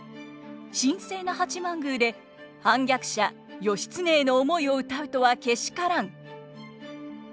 「神聖な八幡宮で反逆者義経への思いを歌うとはけしからん」。